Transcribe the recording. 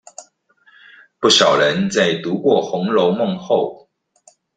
不少人在讀過紅樓夢後